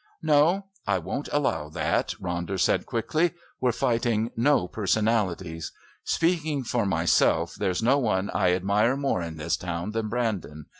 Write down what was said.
"No. I won't allow that," Ronder said quickly. "We're fighting no personalities. Speaking for myself, there's no one I admire more in this town than Brandon.